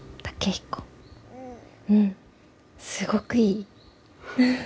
うんすごくいい！